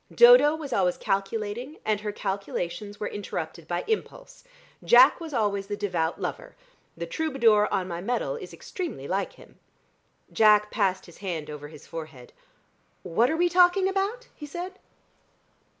Dodo was always calculating, and her calculations were interrupted by impulse. Jack was always the devout lover. The troubadour on my medal is extremely like him." Jack passed his hand over his forehead. "What are we talking about?" he said.